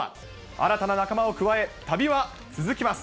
新たな仲間を加え、旅は続きます。